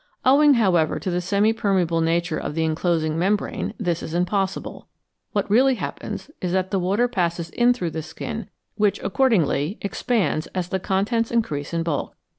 Owing, however, to the semi permeable nature of the enclosing membrane, this is impossible. What really happens is that the water passes in through the skin, which accordingly expands as the contents increase in bulk.